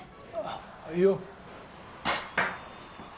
はいよ。